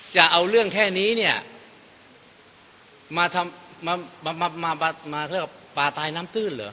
จะเอาเรื่องแค่นี้เนี่ยมาทำมามาเขาเรียกว่าปลาตายน้ำตื้นเหรอ